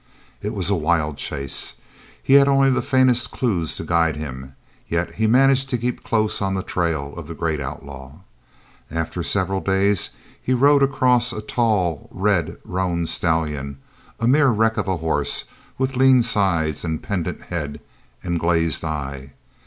It was a wild chase. He had only the faintest clues to guide him, yet he managed to keep close on the trail of the great outlaw. After several days he rode across a tall red roan stallion, a mere wreck of a horse with lean sides and pendant head and glazed eye.